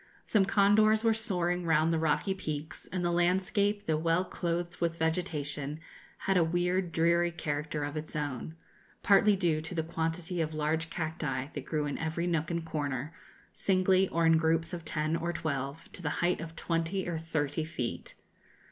Some condors were soaring round the rocky peaks, and the landscape, though well clothed with vegetation, had a weird, dreary character of its own, partly due to the quantity of large cacti that grew in every nook and corner, singly, or in groups of ten or twelve, to the height of twenty or thirty feet.